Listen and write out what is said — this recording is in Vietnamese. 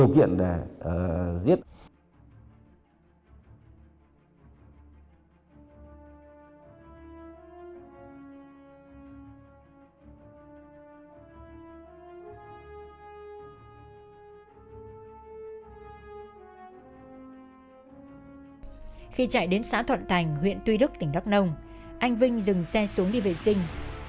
khi chạy đến xã thuận thành huyện tuy đức tỉnh đắk nông anh vinh dừng xe xuống đi vệ sinh